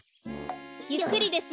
ゆっくりですよ。